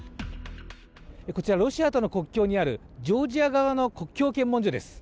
こちら、ロシアとの国境にあるジョージア側の国境検問所です。